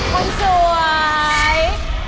คนสวย